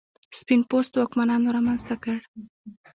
سپین پوستو واکمنانو رامنځته کړ.